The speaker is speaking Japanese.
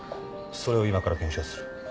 それを今から検証する。